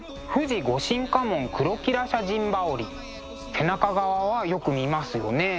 背中側はよく見ますよね。